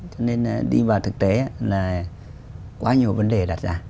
cho nên đi vào thực tế là quá nhiều vấn đề đặt ra